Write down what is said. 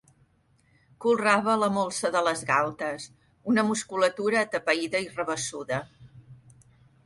Colrava la molsa de les galtes; una musculatura atapeïda i rabassuda.